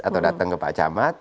atau datang ke pak camat